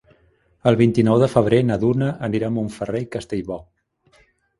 El vint-i-nou de febrer na Duna anirà a Montferrer i Castellbò.